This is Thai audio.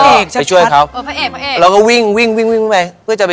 ในการที่หยิบของหยิบอะไรใช่ป่ะ